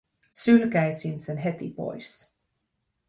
Sylkäisin sen heti pois.